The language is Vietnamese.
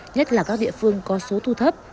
nhất là các địa phương có số thu thấp